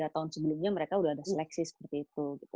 tiga tahun sebelumnya mereka sudah ada seleksi seperti itu gitu